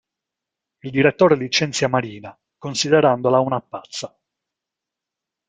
Il direttore licenzia Marina, considerandola una pazza.